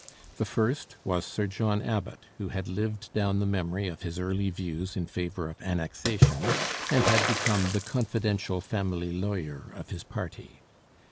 The first was Sir John Abbott, who had lived down the memory of his early views in favour of Annexation and had become 'the confidential family lawyer of his party.'